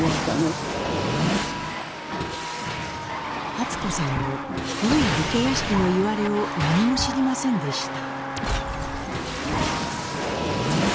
初子さんも古い武家屋敷のいわれを何も知りませんでした。